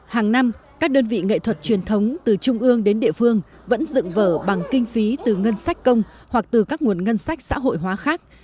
hàng năm các đơn vị nghệ thuật truyền thống từ trung ương đến địa phương vẫn dựng vở bằng kinh phí từ ngân sách công hoặc từ các nguồn ngân sách xã hội hóa khác